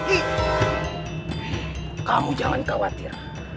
kamu jangan khawatir